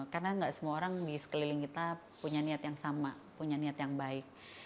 karena nggak semua orang di sekeliling kita punya niat yang sama punya niat yang baik